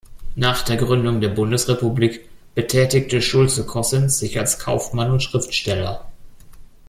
Nach der Gründung der Bundesrepublik betätigte Schulze-Kossens sich als Kaufmann und Schriftsteller.